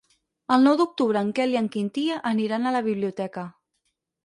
El nou d'octubre en Quel i en Quintí aniran a la biblioteca.